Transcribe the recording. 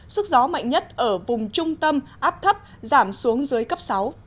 sức gió mạnh nhất ở vùng trung tâm áp thấp giảm xuống dưới cấp sáu